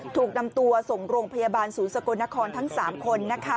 ถูกนำตัวส่งโรงพยาบาลศูนย์สกลนครทั้ง๓คน